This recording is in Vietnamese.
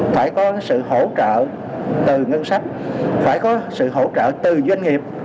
phải có sự hỗ trợ từ ngân sách phải có sự hỗ trợ từ doanh nghiệp